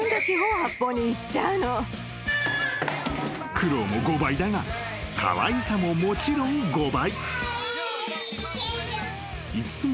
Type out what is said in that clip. ［苦労も５倍だがかわいさももちろん５倍］